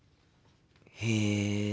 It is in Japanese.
へえ。